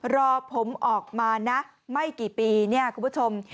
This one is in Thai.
รอผมออกมานะไม่กี่ปีเนี่ยคุณผู้ชม